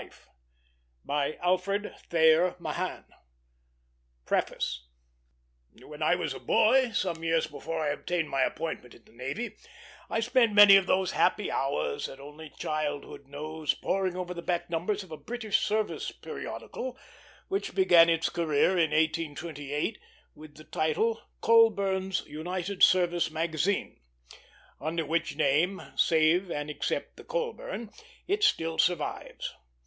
EXPERIENCES OF AUTHORSHIP 302 PREFACE When I was a boy, some years before I obtained my appointment in the navy, I spent many of those happy hours that only childhood knows poring over the back numbers of a British service periodical, which began its career in 1828, with the title Colburn's United Service Magazine; under which name, save and except the Colburn, it still survives.